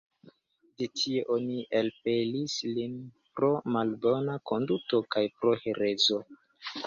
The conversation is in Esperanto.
De tie oni elpelis lin pro malbona konduto kaj pro herezo.